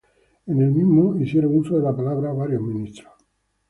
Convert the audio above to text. En el mismo hicieron uso de la palabra varios ministros.